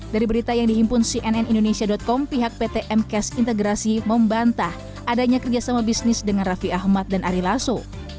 dari berita yang dihimpun cnn indonesia com pihak pt m k s integrasi membantah adanya kerjasama bisnis dengan raffi ahmad dan ari lasso